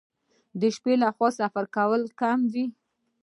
د شپې لخوا د سفر کول کم وي.